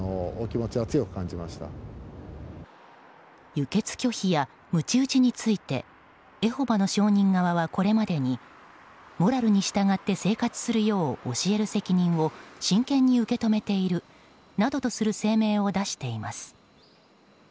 輸血拒否やむち打ちについてエホバの証人側は、これまでにモラルに従って生活するよう教える責任を真剣に受け止めているなどとする声明を出しています。